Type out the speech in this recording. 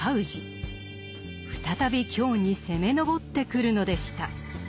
再び京に攻め上ってくるのでした。